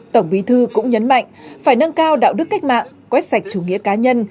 tổng bí thư cũng nhấn mạnh phải nâng cao đạo đức cách mạng quét sạch chủ nghĩa cá nhân